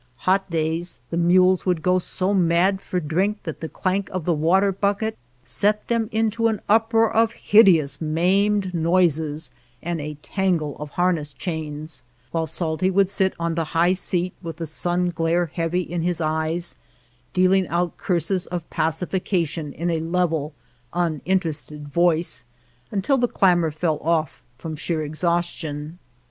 Hot days the mules would go so mad for drink that the clank of the water bucket set them into an uproar of hideous, maimed noises, and a tangle of harness chains, while Salty would sit on 17 THE LAND OF LITTLE RAIN the high seat with the sun glare heavy in his eyes, dealing out curses of pacification in a level, uninterested voice until the clamor fell off from sheer exhaustion.